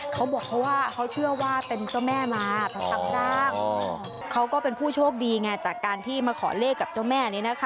เขาเป็นผู้โชคดีจากการที่มาขอเลขกับเจ้าแม่